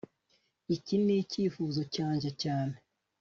Iki nicyifuzo cyanjye cyane